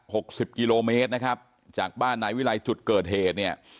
สิบกิโลเมตรนะครับจากบ้านนายวิรัยจุดเกิดเหตุเนี่ย